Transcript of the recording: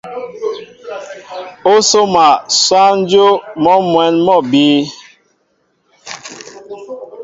Ó sóma sáŋ dyów, mɔ́ mwɛ̌n mɔ́ a bíy.